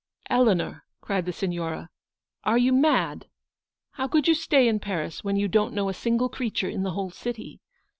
" Eleanor," cried the Signora, " are you mad ? How could you stay in Paris, when you don't know a single creature in the whole city?